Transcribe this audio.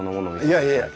いやいやいや。